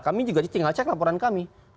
kami juga tinggal cek laporan kami